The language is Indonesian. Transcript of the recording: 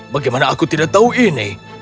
bagaimana aku tidak tahu ini